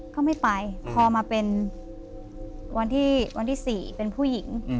ก็ไม่ไปพอมาเป็นวันที่๔เป็นผู้หญิง